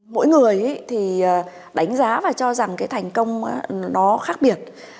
mỗi người thì đánh giá và cho rằng cái thành công nó khác biệt